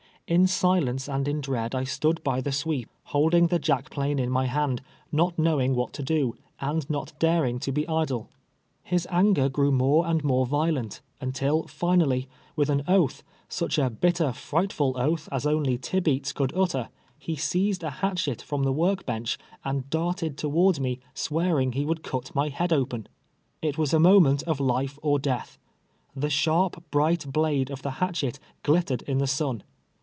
In silence and in dread I stood by the TEBEATS ATTACKS IME. 133 sweep, liolding tlie jack plane in my liand, notknow ino; what to do, and not darino to be idle, llis ano er grew more and more violent, nntil, finally, with an oath, such a hitter, frightful oath as only Tibeats could nttcr, he sei; ied a hatchet from the work l)cnch and darted towards me, swearing he would cut my head open. It was a moment of life or death. The sharp, bright blade of the hatchet glittered in the sun.